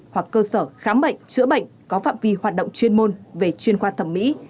hoặc cơ sở khám bệnh chữa bệnh có phạm vi hoạt động chuyên môn về chuyên khoa thẩm mỹ